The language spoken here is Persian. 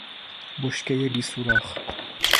بشکهی بیسوراخ